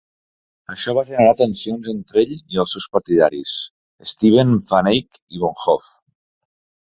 Això va generar tensions entre ell i els seus partidaris, Steven van Eyck i Bomhoff.